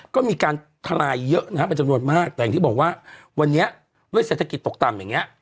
ก็มีการทลายเยอะนะฮะเป็นจำนวนมากแต่อย่างที่บอกว่าวันนี้ด้วยเศรษฐกิจตกต่ำอย่างเงี้